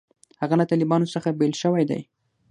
هغه له طالبانو څخه بېل شوی دی.